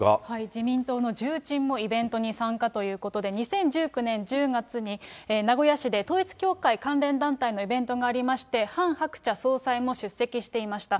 自民党の重鎮もイベントに参加ということで、２０１９年１０月に、名古屋市で統一教会関連団体のイベントがありまして、ハン・ハクチャ総裁も出席していました。